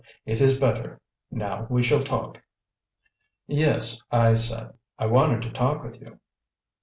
It is better. Now we shall talk." "Yes," I said, "I wanted to talk with you."